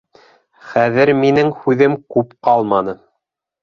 — Хәҙер минең һүҙем күп ҡалманы.